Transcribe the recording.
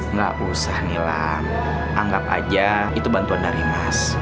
nggak usah nilang anggap aja itu bantuan dari mas